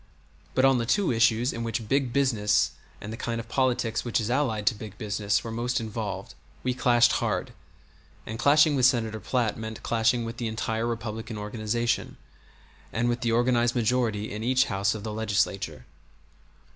But on the two issues in which "big business" and the kind of politics which is allied to big business were most involved we clashed hard and clashing with Senator Platt meant clashing with the entire Republican organization, and with the organized majority in each house of the Legislature.